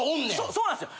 そうなんすよ！